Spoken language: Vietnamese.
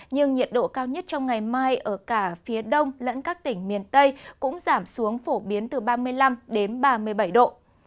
nhưng nhiệt độ cao nhất trong ngày mai ở cả phía đông lẫn các tỉnh miền tây cũng giảm xuống phổ biến từ ba mươi năm đến ba mươi bảy độ